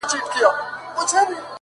دا څو وجوده ولې بې زبانه سرگردانه;